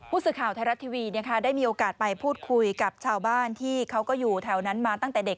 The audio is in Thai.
ผู้สื่อข่าวไทยรัฐทีวีได้มีโอกาสไปพูดคุยกับชาวบ้านที่เขาก็อยู่แถวนั้นมาตั้งแต่เด็ก